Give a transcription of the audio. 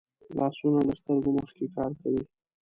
لاسونه له سترګو مخکې کار کوي